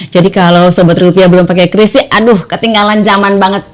jadi kalau sobat rupiah belum pakai kris ya aduh ketinggalan zaman banget